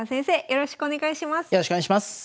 よろしくお願いします。